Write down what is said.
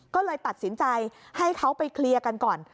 ก็เลยตัดสินใจให้เขาไปเคลียร์กันก่อน